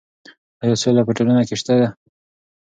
ایا سوله په ټولنه کې شته؟